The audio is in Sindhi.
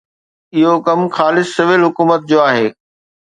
اهو ڪم خالص سول حڪومت جو آهي.